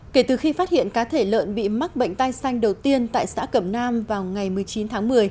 kể từ khi phát hiện cá thể lợn bị mắc bệnh tai xanh đầu tiên tại xã cẩm nam vào ngày một mươi chín tháng một mươi